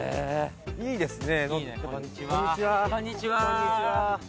いいですね。